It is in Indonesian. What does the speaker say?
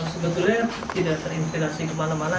sebetulnya tidak terinspirasi kemana mana